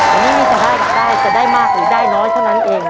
อันนี้ไม่สามารถให้กันได้จะได้มากหรือได้น้อยเท่านั้นเอง